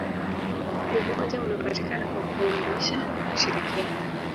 umoja unapatikana kwa kuungana na kushirikiana